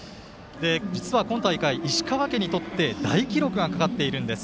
実はこの大会、石川家にとって大記録がかかっているんです。